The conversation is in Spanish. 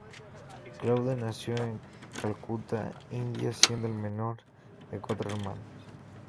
Claude nació en Calcuta, India, siendo el menor de cuatro hermanos.